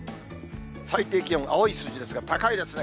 最低気温、青い数字ですが、高いですね。